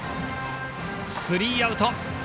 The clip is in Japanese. スリーアウト。